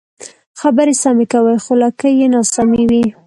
خبرې سمې کوې خو لکۍ یې ناسمې وي.